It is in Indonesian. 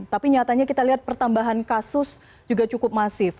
tapi nyatanya kita lihat pertambahan kasus juga cukup masif